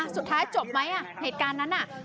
สุดท้ายจบไหมเหตุการณ์นั้นน่ะ